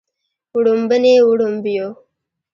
وړومبني وړومبيو